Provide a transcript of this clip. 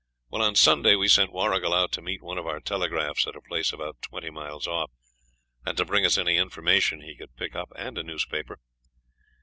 Well, on Sunday we sent Warrigal out to meet one of our telegraphs at a place about twenty miles off, and to bring us any information he could pick up and a newspaper.